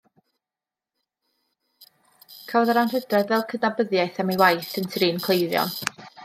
Cafodd yr anrhydedd fel cydnabyddiaeth am ei waith yn trin cleifion.